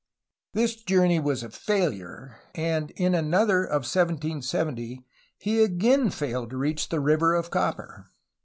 This journey was a failure, and in another of 1770 he again failed to reach the river of copper.